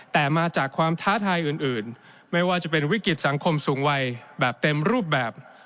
แต่มาจากความท้าทายอื่นไม่ว่าจะเป็นวิกฤตสังคมสูงวัยแบบเต็มรูปแบบ